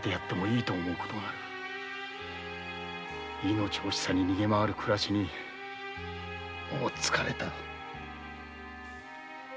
命惜しさに逃げ回る暮らしにもう疲れた。